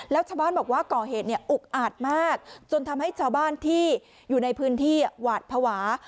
แล้วชาวบ้านบอกว่าก่อเหตุเนี่ยอุกอาจมากจนทำให้ชาวบ้านที่อยู่ในพื้นที่หวาดภาวะ